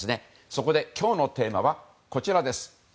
そこで今日のテーマはこちらです。